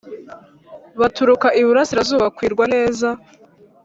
baturuka iburasirazuba bakirwa neza